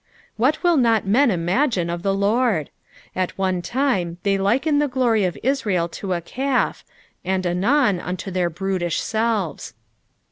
What will not men imagine of the Lord? At one time they liken the glory of Israel to a calf, and anon unto their brutish selves.